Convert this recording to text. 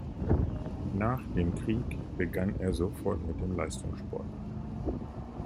Nach dem Krieg begann er sofort mit dem Leistungssport.